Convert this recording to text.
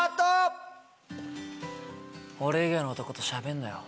俺以外の男としゃべんなよ。